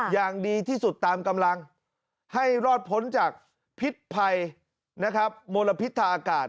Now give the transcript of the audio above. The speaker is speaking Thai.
อย่างดีที่สุดตามกำลังให้รอดพ้นจากพิษภัยนะครับมลพิษทางอากาศ